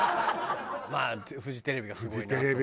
まあフジテレビはすごいなと。